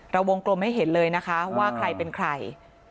วงกลมให้เห็นเลยนะคะว่าใครเป็นใคร